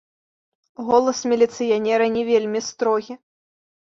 Голас міліцыянера не вельмі строгі.